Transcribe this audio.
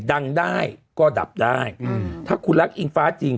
ดังได้ก็ดับได้ถ้าคุณรักอิงฟ้าจริง